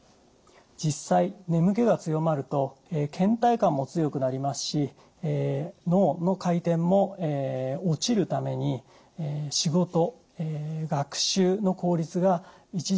実際眠気が強まるとけん怠感も強くなりますし脳の回転も落ちるために仕事学習の効率が著しく落ちます。